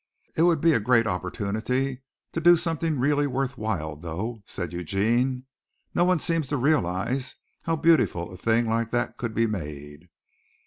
"It would be a great opportunity to do something really worth while, though," said Eugene. "No one seems to realize how beautiful a thing like that could be made."